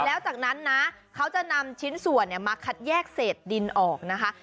แล้วจากนั้นนะเขาจะนำชิ้นส่วนมาคัดแยกเศษดินออกนะคะ